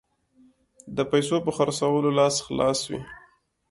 د پیسو په خرڅولو لاس خلاص وو.